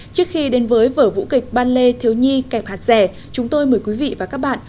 trước khi đến với vở vũ kịch ban lê thiếu nhi kẹp hạt rẻ chúng tôi mời quý vị và các bạn